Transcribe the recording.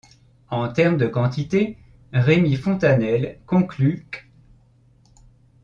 En termes de quantité, Rémi Fontanel conclut qu'.